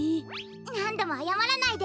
なんどもあやまらないで。